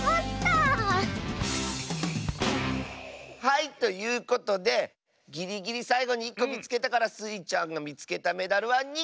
はいということでぎりぎりさいごに１こみつけたからスイちゃんがみつけたメダルは２こでした！